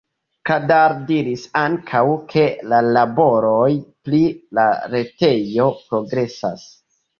Kadar diris ankaŭ, ke la laboroj pri la retejo progresas.